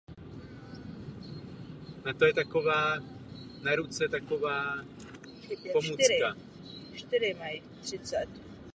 Je autorem několika článků o fotografii v předních ruských a západních časopisech.